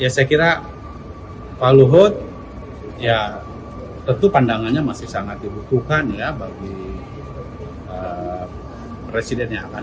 ya saya kira pak luhut ya tentu pandangannya masih sangat dibutuhkan ya bagi presiden yang akan